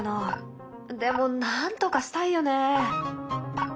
でもなんとかしたいよね。